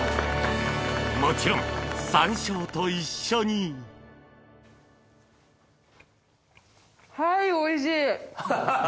もちろん山椒と一緒に「はいおいしい！」。